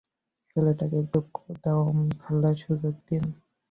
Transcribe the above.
ছেলেটাকে একটু দম ফেলার সুযোগ দিন!